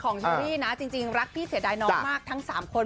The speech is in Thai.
เชอรี่นะจริงรักพี่เสียดายน้องมากทั้ง๓คน